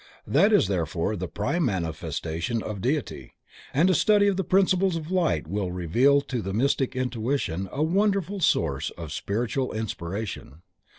That is therefore the prime manifestation of Deity, and a study of the principles of Light will reveal to the mystic intuition a wonderful source of spiritual inspiration.